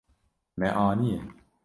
Me aniye.